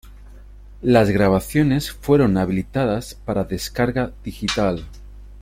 Las grabaciones fueron habilitadas para descarga digital.